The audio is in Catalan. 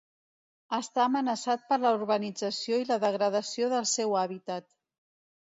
Està amenaçat per la urbanització i la degradació del seu hàbitat.